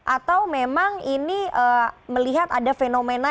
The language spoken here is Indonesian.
atau memang ini melihat ada fenomena